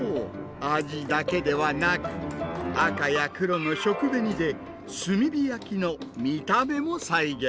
味だけではなく赤や黒の食紅で「炭火焼き」の見た目も再現。